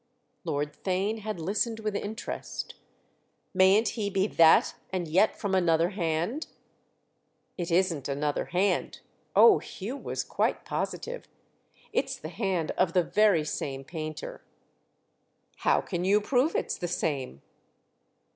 Lord Theign had listened with interest. "Mayn't he be that and yet from another hand?" "It isn't another hand"—oh Hugh was quite positive. "It's the hand of the very same painter." "How can you prove it's the same?"